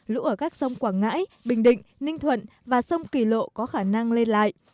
lũ ở các sông quảng ngãi bình định ninh thuận và sông kỳ lộ có khả năng lên lại